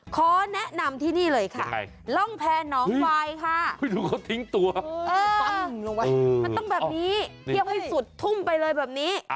ขอแนะนำที่นี่เลยค่ะร่องแพ้น้องวายค่ะมันต้องแบบนี้เทียบให้สุดทุ่มไปเลยแบบนี้